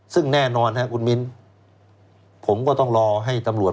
ซึ่งแน่นอนครับคุณมิ้นผมก็ต้องรอให้ตำรวจ